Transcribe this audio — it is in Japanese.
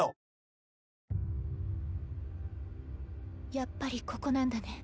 やっぱりここなんだね。